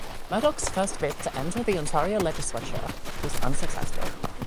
Murdoch's first bid to enter the Ontario legislature was unsuccessful.